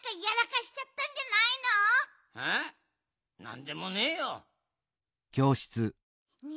なんでもねえよ。